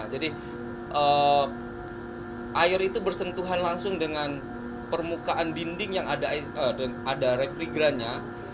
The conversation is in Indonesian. jadi air itu bersentuhan langsung dengan permukaan dinding yang ada refrigerantnya